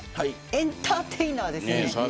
エンターテイナーです。